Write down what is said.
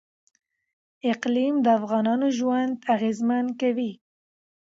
اقلیم د افغانانو ژوند اغېزمن کوي.